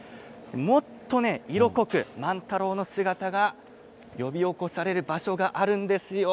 もっと色濃く万太郎の姿が呼び起こされる場所があるんですよ。